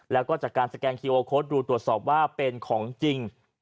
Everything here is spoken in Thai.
แล้วก็จากการสแกนคิวโอโค้ดดูตรวจสอบว่าเป็นของจริง